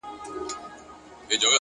نظم د بریالي ژوند چوکاټ دی.